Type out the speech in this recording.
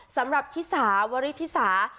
สำหรับที่สาววริษฐ์ที่สาว